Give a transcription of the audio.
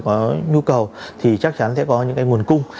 nó nhu cầu thì chắc chắn sẽ có những nguồn cung